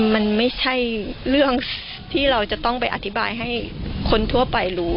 มันไม่ใช่เรื่องที่เราจะต้องไปอธิบายให้คนทั่วไปรู้